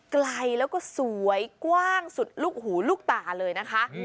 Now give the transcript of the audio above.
ไกลแล้วก็สวยกว้างสุดลูกหูลูกตาเลยนะคะ